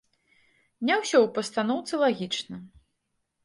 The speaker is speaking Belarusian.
Не ўсё ў пастаноўцы лагічна.